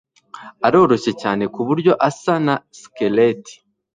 aroroshye cyane kuburyo asa na skeleti